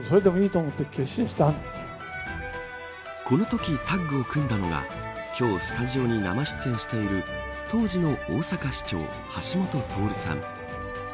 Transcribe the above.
このときタッグを組んだのが今日スタジオに生出演している当時の大阪市長、橋下徹さん。